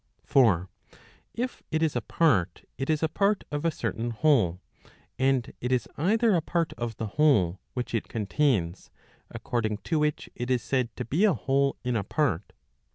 For if it is a part, it is a part of a certain whole. And it is either a part of the whole which it contains, according to which it is said to be a whole in a part.